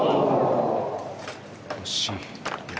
惜しい。